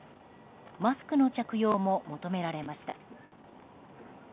マスクの着用も求められました。